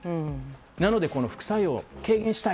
なので副作用を軽減したい。